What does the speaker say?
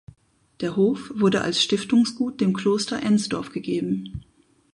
Der Hof wurde als Stiftungsgut dem Kloster Ensdorf gegeben.